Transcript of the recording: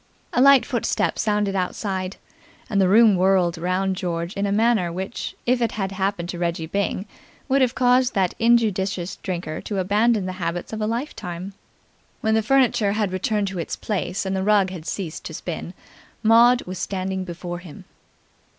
A light footstep sounded outside, and the room whirled round George in a manner which, if it had happened to Reggie Byng, would have caused that injudicious drinker to abandon the habits of a lifetime. When the furniture had returned to its place and the rug had ceased to spin, Maud was standing before him.